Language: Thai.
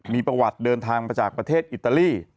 มีประวัติเดินทางมาจากประเทศอิตาลี